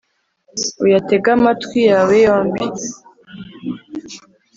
uyatege amatwi yawe yombi